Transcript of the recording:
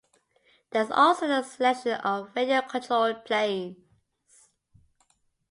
There is also a selection of radio-controlled planes.